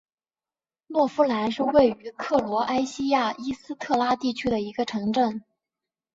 洛夫兰是位于克罗埃西亚伊斯特拉地区的一个城镇。